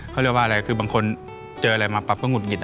เค้าเรียกว่าอะไรว่าคือบางคนเจออะไรมาปรับก็หงุดหงิดอ่ะ